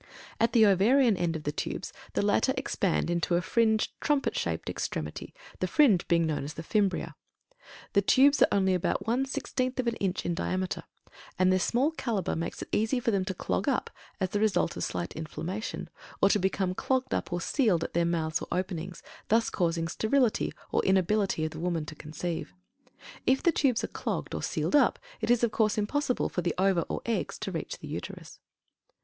At the ovarian end of the tubes the latter expand into a fringed, trumpet shaped extremity, the fringe being known as "the fimbria." The tubes are only about one sixteenth of an inch in diameter, and their small caliber makes it easy for them to clog up as the result of slight inflammation, or to become clogged up or sealed at their mouths or openings, thus causing sterility or inability of the woman to conceive. If the tubes are clogged, or sealed up, it of course is impossible for the ova or eggs to reach the uterus.